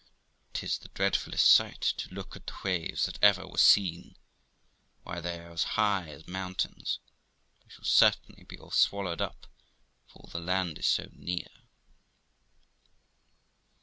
'Tis the dreadfullest sight to look at the waves that ever was seen. Why, they are as high as mountains; we shall cer tainly be all swallowed up, for all the land is so near.'